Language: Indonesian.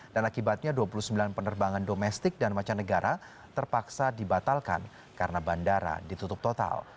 dan akibatnya dua puluh sembilan penerbangan domestik dan mancanegara terpaksa dibatalkan karena bandara ditutup total